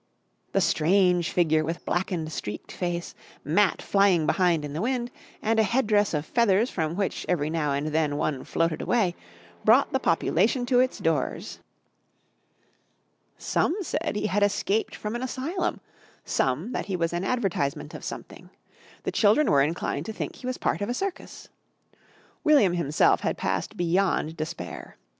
The strange figure with blackened, streaked face, mat flying behind in the wind and a head dress of feathers from which every now and then one floated away, brought the population to its doors. Some said he had escaped from an asylum, some that he was an advertisement of something. The children were inclined to think he was part of a circus. William himself had passed beyond despair.